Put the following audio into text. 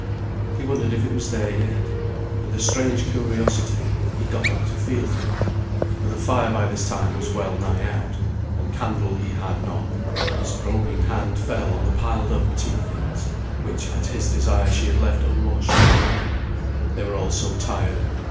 He wondered if it was there yet, and with a strange curiosity he got up to feel for it; for the fire by this time was well nigh out, and candle he had none. His groping hand fell on the piled up tea things, which at his desire she had left unwashed till morning they were all so tired.